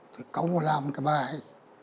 thì công làm cái bài